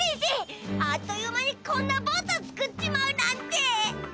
あっという間にこんなボート作っちまうなんて。